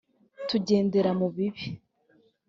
tugendera mu bibi